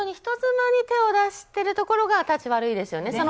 人妻に手を出しているところが立ち悪いですよね。